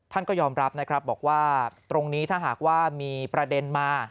ก็ยอมรับนะครับบอกว่าตรงนี้ถ้าหากว่ามีประเด็นมา